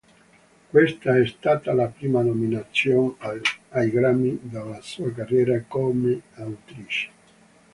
Questa è stata la prima nomination ai Grammy della sua carriera come autrice.